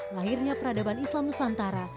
lahirnya peradaban islam nusantara